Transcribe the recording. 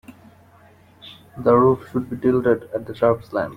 The roof should be tilted at a sharp slant.